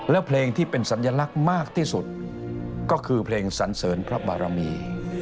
แล้วเพลงที่เป็นสัญลักษณ์มากที่สุดก็คือเพลงสันเสริญพระบารมี